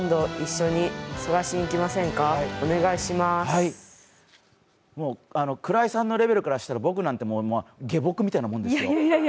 はい、鞍井さんのレベルからしたら僕なんて下僕みたいなもんですよ。